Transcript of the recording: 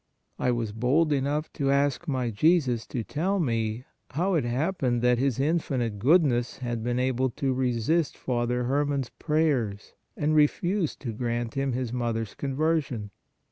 I was bold enough to ask my Jesus to tell me, how it happened that His infinite Good ness had been able to resist Father Herman s pray ers and refuse to grant him his mother s conversion.